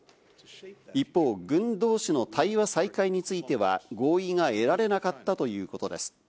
一方、軍同士の対話再開については合意が得られなかったということです。